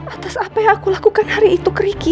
atas apa yang aku lakukan hari itu ke ricky